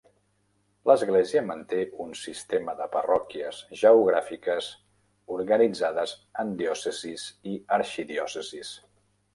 L'Església manté un sistema de parròquies geogràfiques organitzades en diòcesis i arxidiòcesis.